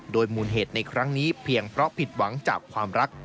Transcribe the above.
โดยมูลเหตุในครั้งนี้เพียงเพราะผิดหวังจากความรัก